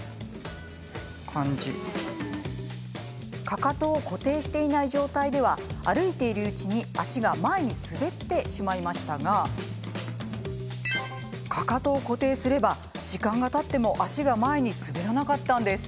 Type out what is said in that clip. かかとを固定していない状態では歩いているうちに足が前に滑ってしまいましたがかかとを固定すれば時間がたっても足が前に滑らなかったんです。